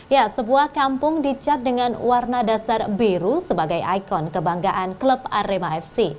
ya sebuah kampung dicat dengan warna dasar biru sebagai ikon kebanggaan klub arema fc